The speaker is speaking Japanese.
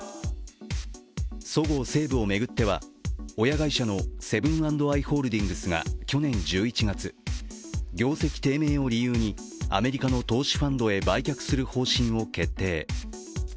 そごう・西武を巡っては、親会社のセブン＆アイ・ホールディングスが去年１１月、業績低迷を理由にアメリカの投資ファンドへの売却する方針を決定。